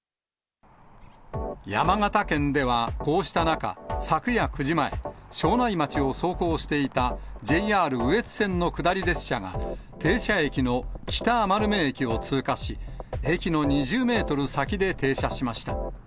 山形県では、こうした中、昨夜９時前、庄内町を走行していたＪＲ羽越線の下り列車が、停車駅の北余目駅を通過し、駅の２０メートル先で停車しました。